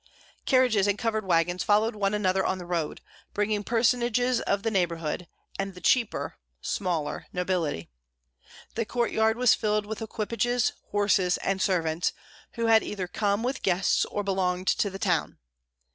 Carriages and covered wagons followed one another on the road, bringing personages of the neighborhood and the "cheaper" (smaller) nobility. The courtyard was filled with equipages, horses, and servants, who had either come with guests or belonged to the town.